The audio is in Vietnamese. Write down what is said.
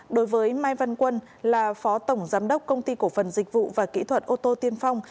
đối với mai văn quân là phó tổng giám đốc công ty cổ phần dịch vụ và kỹ thuật ô tô tiên phong